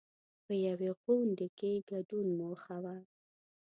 په یوې غونډې کې ګډون موخه وه.